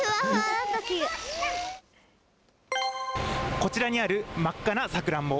こちらにある真っ赤なさくらんぼ。